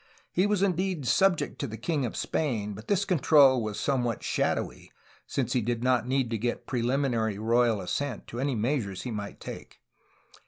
He was indeed subject to the king of Spain, but this control was somewhat shadowy, since he did not need to get pre liminary royal assent to any measures he might take.